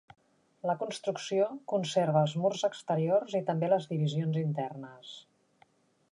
La construcció conserva els murs exteriors i també les divisions internes.